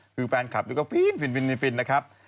คือแฟนคลับนี่ก็ฟินนะครับ